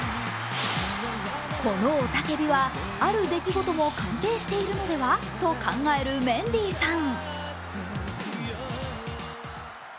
この雄たけびはある出来事も関係しているのでは？と考えるメンディーさん。